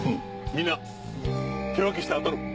みんな手分けしてあたろう。